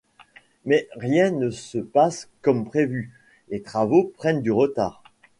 Mais rien ne se passe comme prévu, les travaux prennent du retard.